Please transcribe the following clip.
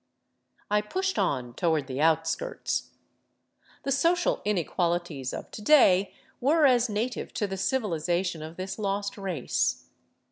I pushed on toward the outskirts. The social inequalities of to day were as native to the civilization of this lost race.